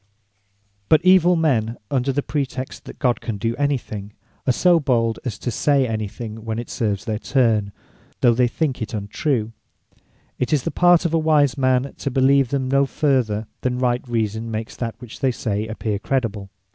But evill men under pretext that God can do any thing, are so bold as to say any thing when it serves their turn, though they think it untrue; It is the part of a wise man, to believe them no further, than right reason makes that which they say, appear credible.